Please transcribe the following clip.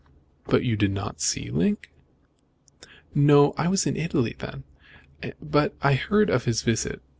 "But you did not see Link?" "No. I was in Italy then, but I heard of his visit.